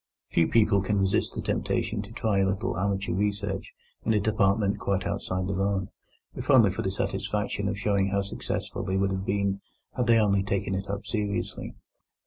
Few people can resist the temptation to try a little amateur research in a department quite outside their own, if only for the satisfaction of showing how successful they would have been had they only taken it up seriously.